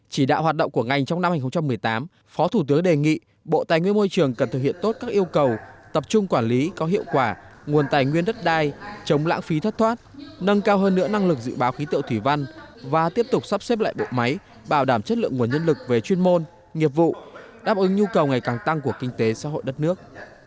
chỉ đạo hoạt động của ngành trong năm hai nghìn một mươi tám phó thủ tướng đề nghị bộ tài nguyên môi trường cần thực hiện tốt các yêu cầu tập trung quản lý có hiệu quả nguồn tài nguyên đất đai chống lãng phí thất thoát nâng cao hơn nữa năng lực dự báo khí tự thủy văn và tiếp tục sắp xếp lại bộ máy bảo đảm chất lượng nguồn nhân lực về chuyên môn nghiệp vụ đáp ứng nhu cầu ngày càng tăng của kinh tế xã hội đất nước